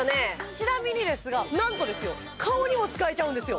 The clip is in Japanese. ちなみにですがなんと顔にも使えちゃうんですよ